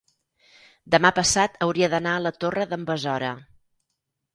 Demà passat hauria d'anar a la Torre d'en Besora.